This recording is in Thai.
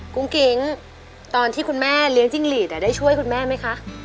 กุ้งกิ๊งตอนที่คุณแม่เลี้ยงจิ้งหลีดได้ช่วยคุณแม่ไหมคะ